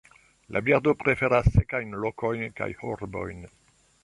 La birdo preferas sekajn lokojn kaj urbojn.